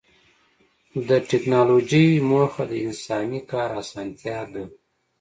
د ټکنالوجۍ موخه د انساني کار اسانتیا ده.